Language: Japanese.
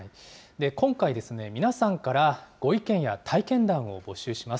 今回、皆さんからご意見や体験談を募集します。